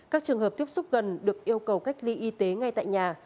các trường hợp tiếp xúc gần được yêu cầu cách ly y tế ngay tại nhà